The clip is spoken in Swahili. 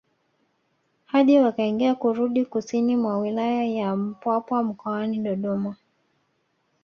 Hadi wakaingia kurudi kusini mwa wilaya ya Mpwapwa mkoani Dodoma